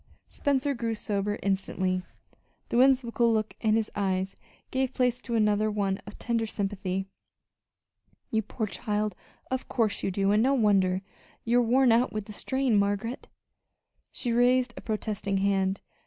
Spencer grew sober instantly. The whimsical look in his eyes gave place to one of tender sympathy. "You poor child, of course you do, and no wonder! You are worn out with the strain, Margaret." She raised a protesting hand.